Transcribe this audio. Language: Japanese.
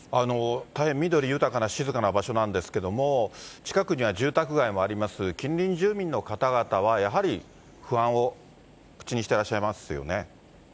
大変緑豊かな静かな場所なんですけれども、近くには住宅街もあります、近隣住民の方々は、やはり不安を口にしていらっしゃいますよね。